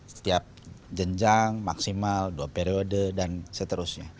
setiap jenjang maksimal dua periode dan seterusnya